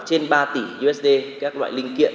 trên ba tỷ usd các loại linh kiện